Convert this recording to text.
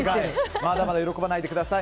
まだまだ喜ばないでください。